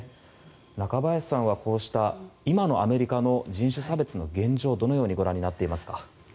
中林さんは、こうした今のアメリカの人種差別の現状どのようにご覧になっていますか。